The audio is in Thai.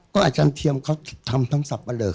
ก็อาจารย์เทียมเขาทำทั้งศัพท์มาเลย